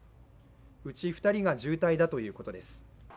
うち２人が重体だということです。